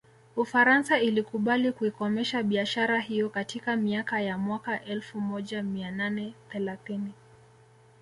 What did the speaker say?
Ufaransa ilikubali kuikomesha biashara hiyo katika miaka ya mwaka elfu moja mia nane thelathini